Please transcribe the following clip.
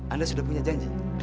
anda sudah punya janji